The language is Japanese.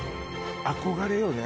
憧れよね。